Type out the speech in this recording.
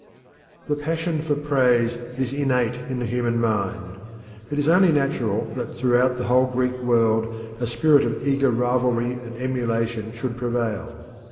The passion for praise is innate in the human mind. It is only natural that throughout the whole Greek world a spirit of eager rivalry and emulation should prevail.